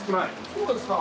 そうですか。